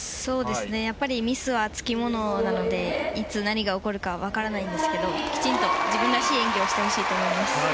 やっぱりミスはつきものなのでいつ何が起こるか分からないんですけどきちんと自分らしい演技をしてほしいです。